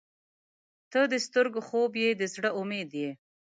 • ته د سترګو خوب یې، د زړه امید یې.